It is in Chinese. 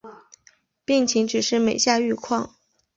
病情只是每下愈况